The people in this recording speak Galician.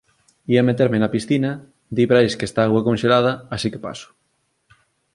Ía meterme na piscina, di Brais que está a auga conxelada, así que paso.